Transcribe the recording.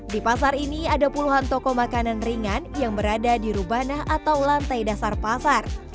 di pasar ini ada puluhan toko makanan ringan yang berada di rubanah atau lantai dasar pasar